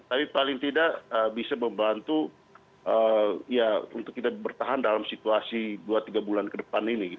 tapi paling tidak bisa membantu ya untuk kita bertahan dalam situasi dua tiga bulan ke depan ini